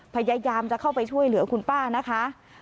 พยายามจะเข้าไปช่วยเหลือคุณป้านะคะ